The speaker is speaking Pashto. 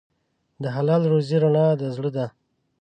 د حلال روزي رڼا د زړه ده.